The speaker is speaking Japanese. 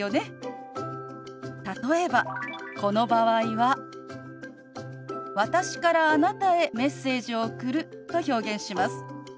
例えばこの場合は「私からあなたへメッセージを送る」と表現します。